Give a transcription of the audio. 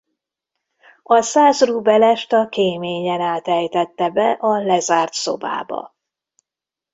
A százrubelest a kéményen át ejtette be a lezárt szobába.